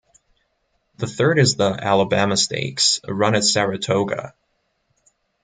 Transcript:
The third is the Alabama Stakes, run at Saratoga.